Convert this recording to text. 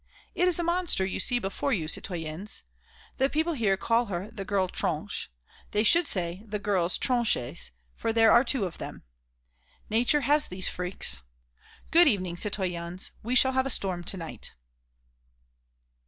It is a monster you see before you, citoyens. The people here call her 'the girl Tronche'; they should say 'the girls Tronches,' for there are two of them. Nature has these freaks.... Good evening, citoyens; we shall have a storm to night...."